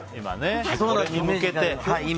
それに向けて今